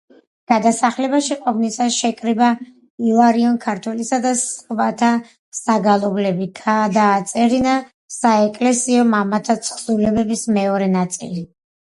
გადასახლებაში ყოფნისას შეკრიბა ილარიონ ქართველისა და სხვათა საგალობლები, გადააწერინა საეკლესიო მამათა თხზულებების მეორე ნაწილი.